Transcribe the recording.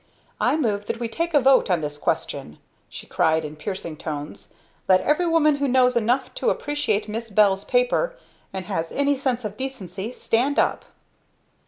"I move that we take a vote on this question," she cried in piercing tones. "Let every woman who knows enough to appreciate Miss Bell's paper and has any sense of decency stand up!"